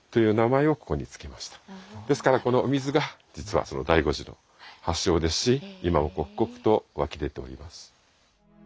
ですからこのお水が実は醍醐寺の発祥ですし今も刻々と湧き出ております。